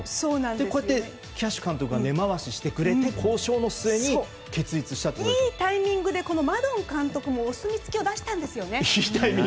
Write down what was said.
こうやってキャッシュ監督が根回しをしてくれていいタイミングでマドン監督もお墨付きを出したんですよね。